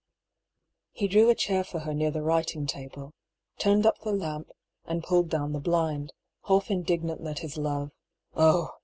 " He drew a chair for her near the writing table, turned up the lamp, and pulled down the blind, half indignant that his love — oh